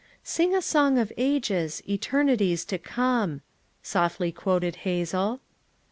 "Sing a song of ages, Eternities to cornel*' softly quoted Hazel.